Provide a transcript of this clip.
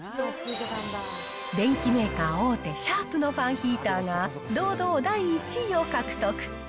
電機メーカー大手、シャープのファンヒーターが、堂々第１位を獲得。